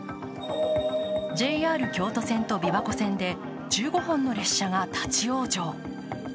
ＪＲ京都線と琵琶湖線で１５本の列車が立往生。